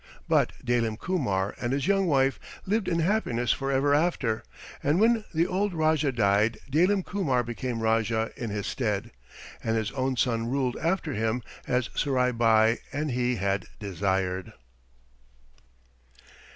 But Dalim Kumar and his young wife lived in happiness forever after, and when the old Rajah died Dalim Kumar became Rajah in his stead, and his own son ruled after him as Surai Bai and he had desired.